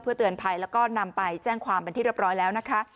เตือนภัยแล้วก็นำไปแจ้งความเป็นที่เรียบร้อยแล้วนะคะ